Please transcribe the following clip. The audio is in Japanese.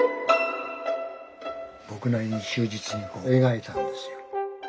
僕なりに忠実に描いたんですよ。